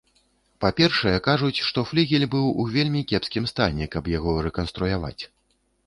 Па-першае, кажуць, што флігель быў у вельмі кепскім стане, каб яго рэканструяваць.